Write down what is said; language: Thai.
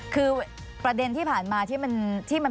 คือประเด็นที่ผ่านมาที่มัน